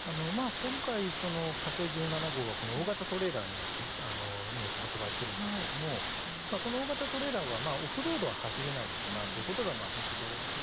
今回、「火星１７」が大型トレーラーによって運ばれていますがこの大型トレーラーはオフロードは走れないということが見て取れると。